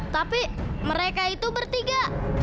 tapi mereka itu bertiga